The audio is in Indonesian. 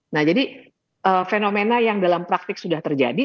nah jadi fenomena yang dalam praktik sudah terjadi